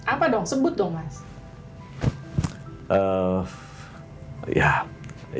apa dong sebut dong mas